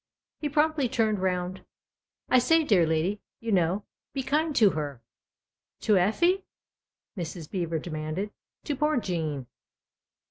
He promptly turned round. "I say, dear lady, you know be kind to her !" "To Effie?" Mrs. Beever demanded. "To poor Jean."